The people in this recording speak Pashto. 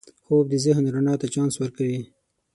خوب د ذهن رڼا ته چانس ورکوي